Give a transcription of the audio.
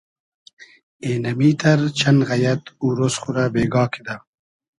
اېنئمیتئر چئن غئیئد او رۉز خو رۂ بېگا کیدۂ